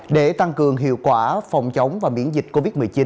để tăng cường hiệu quả phòng chống và miễn dịch covid một mươi chín